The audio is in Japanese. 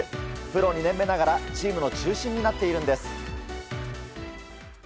プロ２年目ながらチームの中心になっているんです。